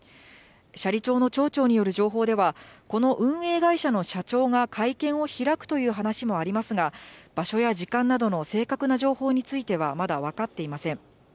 斜里町の町長による情報では、この運営会社の社長が会見を開くという話もありますが、場所や時間などの正確な情報については、まだ分かっていません。